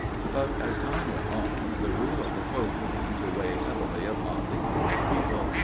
But as time went on the rule of the Pope began to weigh heavily upon the English people.